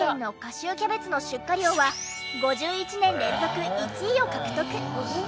秋キャベツの出荷量は５１年連続１位を獲得。